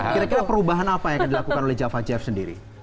kira kira perubahan apa yang dilakukan oleh jawa jive sendiri